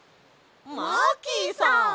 マーキーさん！